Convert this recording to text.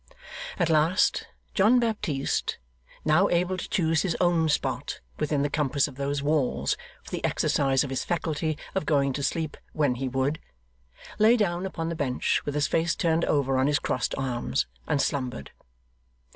At last, John Baptist, now able to choose his own spot within the compass of those walls for the exercise of his faculty of going to sleep when he would, lay down upon the bench, with his face turned over on his crossed arms, and slumbered.